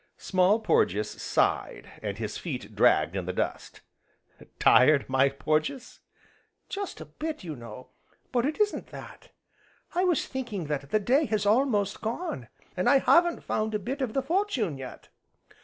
Small Porges sighed, and his feet dragged in the dust. "Tired, my Porges?" "Just a bit, you know, but it isn't that. I was thinking that the day has almost gone, an' I haven't found a bit of the fortune yet."